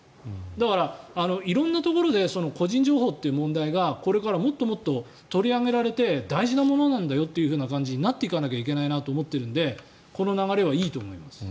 だから、色んなところで個人情報という問題がこれからもっともっと取り上げられて大事なものなんだよという感じになっていかなきゃいけないなと思っているのでこの流れはいいと思います。